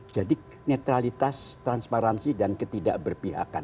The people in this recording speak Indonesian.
jadi netralitas transparansi dan ketidak berpihakan